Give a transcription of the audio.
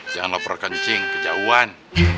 jangan laporkan cing kejauhan